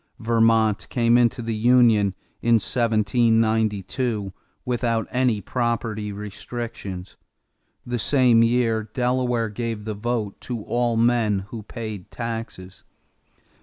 Vermont came into the union in 1792 without any property restrictions. In the same year Delaware gave the vote to all men who paid taxes.